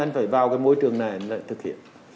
anh phải vào cái môi trường này lại thực hiện